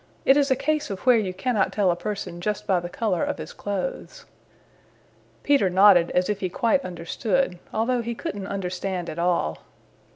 It is a case of where you cannot tell a person just by the color of his clothes." Peter nodded as if he quite understood, although he couldn't understand at all.